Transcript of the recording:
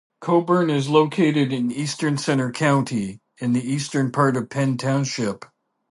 Coburn is located in eastern Centre County, in the eastern part of Penn Township.